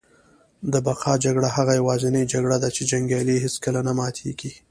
د بقا جګړه هغه یوازینۍ جګړه ده چي جنګیالی یې هیڅکله نه ماتیږي